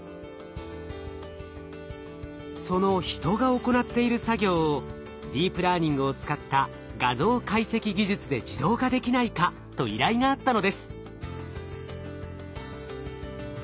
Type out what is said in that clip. その人が行っている作業をディープラーニングを使った画像解析技術で自動化できないかと依頼があったのです。